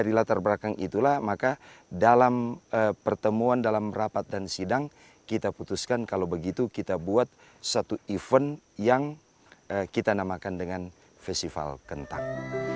dari latar belakang itulah maka dalam pertemuan dalam rapat dan sidang kita putuskan kalau begitu kita buat satu event yang kita namakan dengan festival kentak